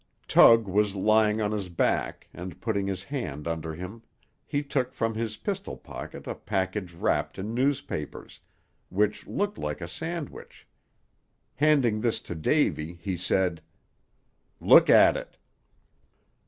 Tug was lying on his back, and putting his hand under him he took from his pistol pocket a package wrapped in newspapers, which looked like a sandwich. Handing this to Davy, he said, "Look at it."